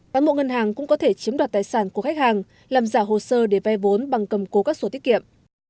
bán mộ ngân hàng cũng có thể chiếm đoạt tài sản của khách hàng làm giả hồ sơ để vay vốn bằng cầm cố các sổ tiết kiệm